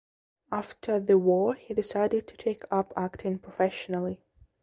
After the war he decided to take up acting professionally.